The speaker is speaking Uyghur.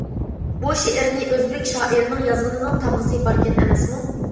بۇ شېئىرنى ئۆزبېك شائىرىنىڭ يازغىنىنىڭ تامغىسى باركەن ئەمەسمۇ!